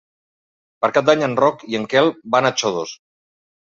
Per Cap d'Any en Roc i en Quel van a Xodos.